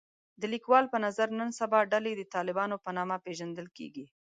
د لیکوال په نظر نن سبا ډلې د طالبانو په نامه پېژندل کېږي